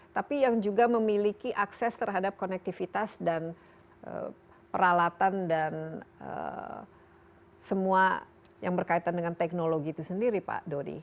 tapi yang juga memiliki akses terhadap konektivitas dan peralatan dan semua yang berkaitan dengan teknologi itu sendiri pak dodi